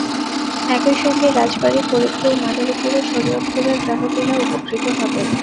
একই সঙ্গে রাজবাড়ী, ফরিদপুর, মাদারীপুর ও শরীয়তপুরের গ্রাহকেরাও উপকৃত হবেন।